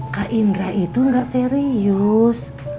kak indra itu nggak serius